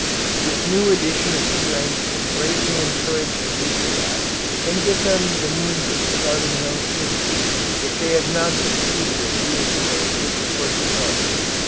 This new addition of strength will greatly encourage the nuclei, and give them the means of starting young queens, if they have not succeeded in doing so with the first comb.